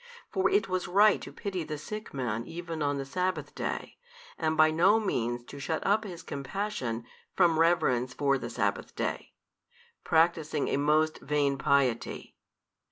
For it was right to pity the sick man |279 even on the sabbath day, and by no means to shut up His compassion from reverence for the sabbath day, practising a most vain piety.